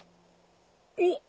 おっ！